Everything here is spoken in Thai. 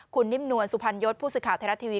คุณนิ่มนวลสุพรรณยศผู้สื่อข่าวไทยรัฐทีวี